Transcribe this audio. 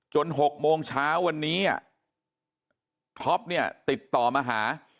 ๖โมงเช้าวันนี้ท็อปเนี่ยติดต่อมาหา